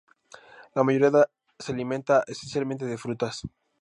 La mayoría se alimenta esencialmente de frutas.